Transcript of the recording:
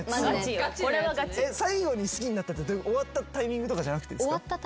最後に好きになったって終わったタイミングとかじゃなくてですか？